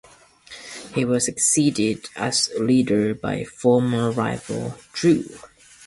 He was succeeded as leader by former rival Drew.